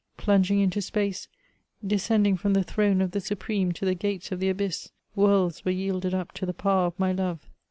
Plun^ng into space, descending from the throne of the Supreme to the gates of the abyss, worlds were yielded up to the power of my love.